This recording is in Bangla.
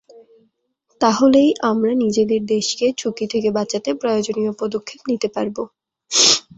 তাহলেই আমরা নিজেদের দেশকে ঝুঁকি থেকে বাঁচাতে প্রয়োজনীয় পদক্ষেপ নিতে পারব।